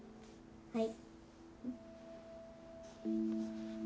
はい。